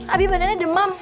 abi mbak neneng demam